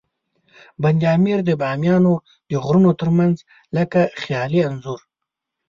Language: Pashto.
بند امیر د بامیانو د غرونو ترمنځ لکه خیالي انځور.